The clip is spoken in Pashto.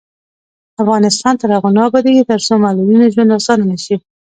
افغانستان تر هغو نه ابادیږي، ترڅو د معلولینو ژوند اسانه نشي.